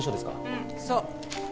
うんそう。